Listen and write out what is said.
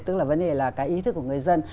tức là vấn đề là cái ý thức của người dân